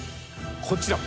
こちら。